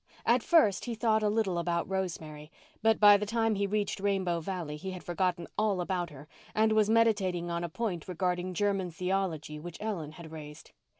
At first he thought a little about Rosemary, but by the time he reached Rainbow Valley he had forgotten all about her and was meditating on a point regarding German theology which Ellen had raised.